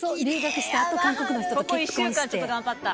ここ１週間ちょっと頑張った。